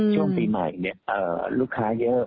ช่วงปีใหม่ลูกค้าเยอะ